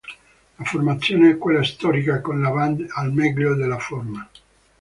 La formazione è quella storica, con la band al meglio della forma.